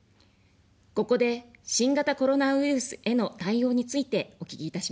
ここで、新型コロナウイルスへの対応についてお聞きいたします。